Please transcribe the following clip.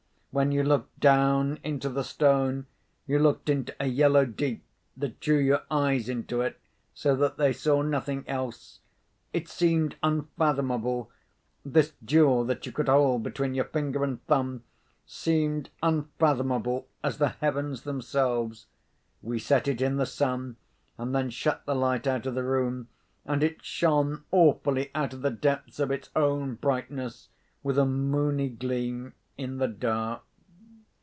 When you looked down into the stone, you looked into a yellow deep that drew your eyes into it so that they saw nothing else. It seemed unfathomable; this jewel, that you could hold between your finger and thumb, seemed unfathomable as the heavens themselves. We set it in the sun, and then shut the light out of the room, and it shone awfully out of the depths of its own brightness, with a moony gleam, in the dark.